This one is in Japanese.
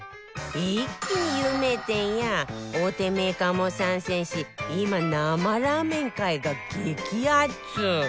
一気に有名店や大手メーカーも参戦し今生ラーメン界が激アツ